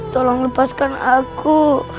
tolong lepaskan aku